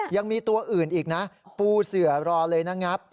ยังมีตัวอื่นอีกนะปูเสือรอเลยนะครับ